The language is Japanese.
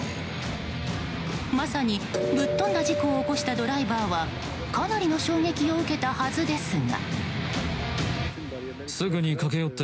まさに、ぶっ飛んだ事故を起こしたドライバーはかなりの衝撃を受けたはずですが。